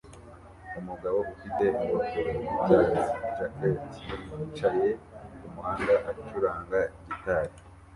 umugabo ufite ingofero yicyatsi & jacket yicaye kumuhanda acuranga gitari